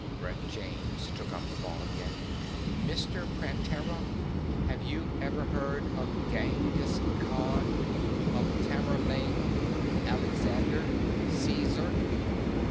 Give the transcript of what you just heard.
Brett James took up the ball again. "Mr. Prantera, have you ever heard of Ghengis Khan, of Tamerlane, Alexander, Caesar?"